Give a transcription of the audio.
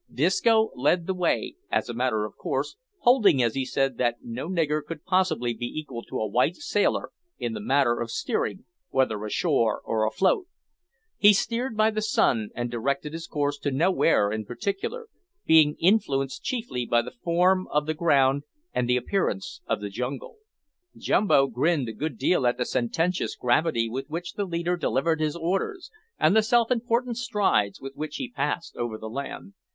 Disco led the way, as a matter of course, holding, as he said, that no nigger could possibly be equal to a white sailor in the matter of steering, whether ashore or afloat. He steered by the sun, and directed his course to nowhere in particular, being influenced chiefly by the form of the ground and the appearance of the jungle. Jumbo grinned a good deal at the sententious gravity with which the leader delivered his orders, and the self important strides with which he passed over the land.